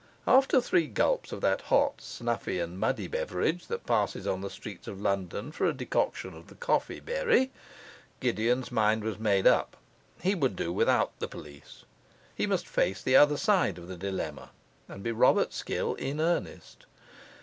After three gulps of that hot, snuffy, and muddy beverage, that passes on the streets of London for a decoction of the coffee berry, Gideon's mind was made up. He would do without the police. He must face the other side of the dilemma, and be Robert Skill in earnest.